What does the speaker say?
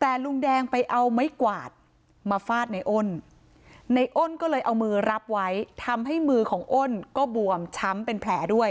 แต่ลุงแดงไปเอาไม้กวาดมาฟาดในอ้นในอ้นก็เลยเอามือรับไว้ทำให้มือของอ้นก็บวมช้ำเป็นแผลด้วย